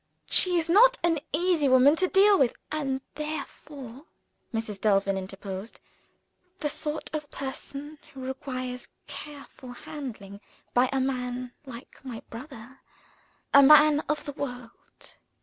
She is not an easy woman to deal with " "And therefore," Mrs. Delvin interposed, "the sort of person who requires careful handling by a man like my brother a man of the world."